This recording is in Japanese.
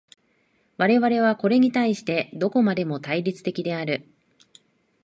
我々はこれに対してどこまでも対立的である。